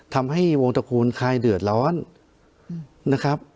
ทำให้วงตระกูลคลายเดือดร้อนนะครับ